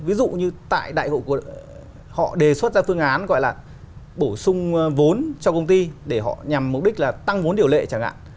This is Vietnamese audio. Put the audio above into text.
ví dụ như tại họ đề xuất ra phương án gọi là bổ sung vốn cho công ty để họ nhằm mục đích là tăng vốn điều lệ chẳng hạn